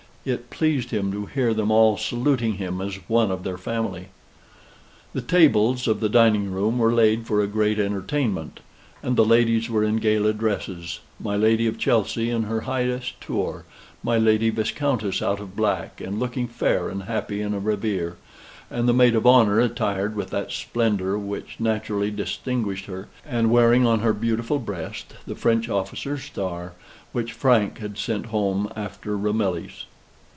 It pleased him to hear them all saluting him as one of their family. The tables of the dining room were laid for a great entertainment; and the ladies were in gala dresses my Lady of Chelsey in her highest tour, my Lady Viscountess out of black, and looking fair and happy a ravir; and the Maid of Honor attired with that splendor which naturally distinguished her, and wearing on her beautiful breast the French officer's star which Frank had sent home after Ramillies.